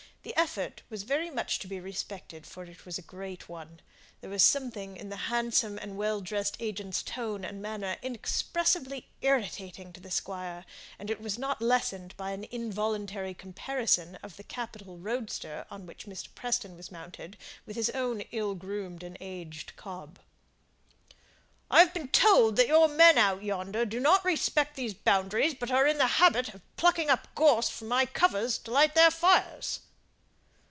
The effort was very much to be respected, for it was a great one. There was something in the handsome and well dressed agent's tone and manner inexpressibly irritating to the squire, and it was not lessened by an involuntary comparison of the capital roadster on which Mr. Preston was mounted with his own ill groomed and aged cob. "I have been told that your men out yonder do not respect these boundaries, but are in the habit of plucking up gorse from my covers to light their fires."